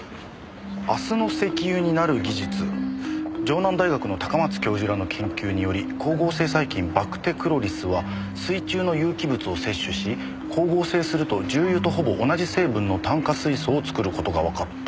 「明日の石油になる技術」「城南大学の高松教授らの研究により光合成細菌『バクテクロリス』は水中の有機物を摂取し光合成すると重油とほぼ同じ成分の炭化水素を作ることが分かった」